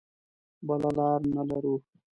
بله لاره نه لرو.